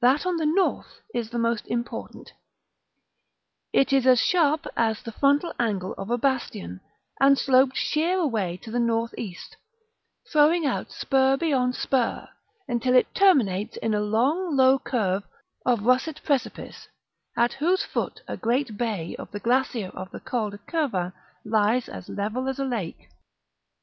That on the north is the most important; it is as sharp as the frontal angle of a bastion, and sloped sheer away to the north east, throwing out spur beyond spur, until it terminates in a long low curve of russet precipice, at whose foot a great bay of the glacier of the Col de Cervin lies as level as a lake.